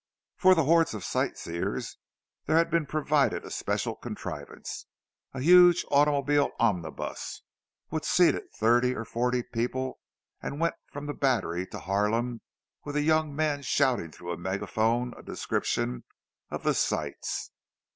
For the hordes of sightseers there had been provided a special contrivance, a huge automobile omnibus which seated thirty or forty people, and went from the Battery to Harlem with a young man shouting through a megaphone a description of the sights.